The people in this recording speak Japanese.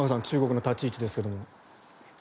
中国の立ち位置ですけれども。